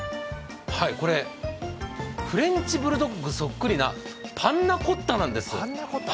これ、フレンチブルドッグそっくりなパンナコッタなんです。